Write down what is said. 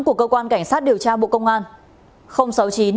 của cơ quan cảnh sát điều tra bộ công an